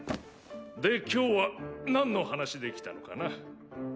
で今日はなんの話で来たのかな？